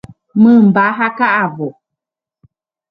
Mymba ha ka'avo.